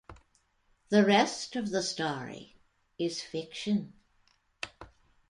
The rest of the story is fiction.